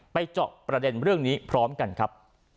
เจาะประเด็นเรื่องนี้พร้อมกันครับ